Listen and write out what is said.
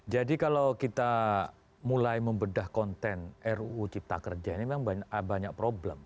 jadi kalau kita mulai membedah konten ruu cipta kerja ini memang banyak problem